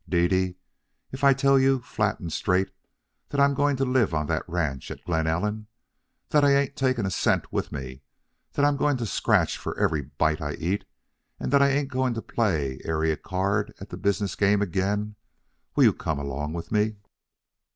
"Dede, if I tell you, flat and straight, that I'm going up to live on that ranch at Glen Ellen, that I ain't taking a cent with me, that I'm going to scratch for every bite I eat, and that I ain't going to play ary a card at the business game again, will you come along with me?"